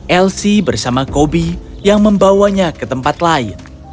elsie bersama kobi yang membawanya ke tempat lain